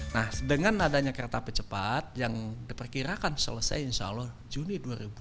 nah dengan adanya kereta pecepat yang diperkirakan selesai insya allah juni dua ribu